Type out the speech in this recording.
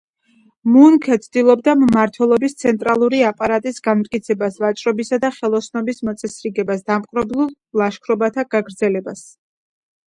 მუნქე ცდილობდა მმართველობის ცენტრალური აპარატის განმტკიცებას, ვაჭრობისა და ხელოსნობის მოწესრიგებას, დამპყრობლურ ლაშქრობათა გაგრძელებას.